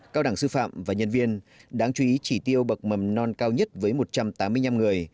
cao đẳng sư phạm và nhân viên đáng chú ý chỉ tiêu bậc mầm non cao nhất với một trăm tám mươi năm người